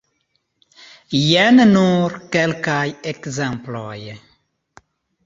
Jen nur kelkaj ekzemploj.